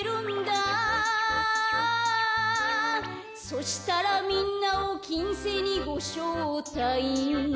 「そしたらみんなをきんせいにごしょうたいんいんん」